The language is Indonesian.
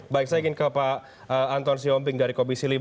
baik saya ingin ke pak anton siomping dari komisi lima